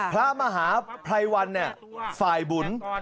พระมหาภัยวันฝ่ายบุญ